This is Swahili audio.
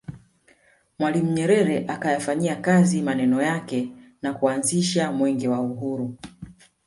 Mwalimu Nyerere akayafanyia kazi maneno yake na kuanzisha Mwenge wa Uhuru